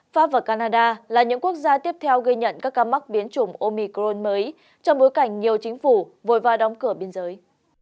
pháp và canada là những quốc gia tiếp theo ghi nhận các ca mắc biến chủng omicrone mới trong bối cảnh nhiều chính phủ vội va đóng cửa biên giới